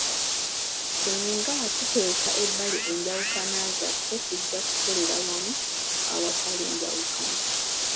Singa tuteeka ebbali enjawukana zaffe tujja kukolera wamu awatali njawukna.